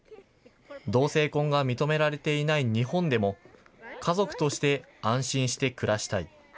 同性婚が認められていない日本でも、家族として安心して暮らしたい。